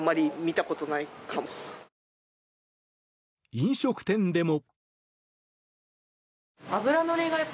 飲食店でも。